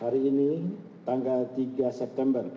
hari ini tanggal tiga september dua ribu dua puluh dua